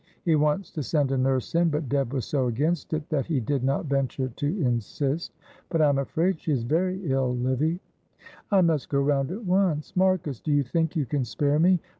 He wants to send a nurse in, but Deb was so against it that he did not venture to insist; but I am afraid she is very ill, Livy." "I must go round at once. Marcus, do you think you can spare me?